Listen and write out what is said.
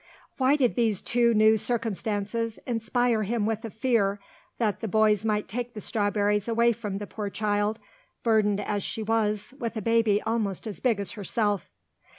Why did these two new circumstances inspire him with a fear that the boys might take the strawberries away from the poor child, burdened as she was with a baby almost as big as herself?